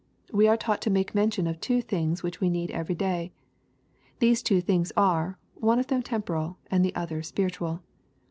We are taught to make mention of two things which we need every day. These two things are, one of them temporal, and the other spiritual.